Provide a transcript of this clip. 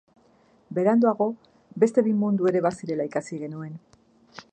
Beranduago beste bi mundu ere bazirela ikasi genuen.